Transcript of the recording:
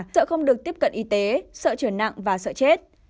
sợ không được tiếp cận y tế sợ trở nặng và sợ chết